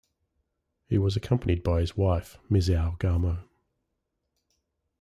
He was accompanied by his wife, Misao Gamo.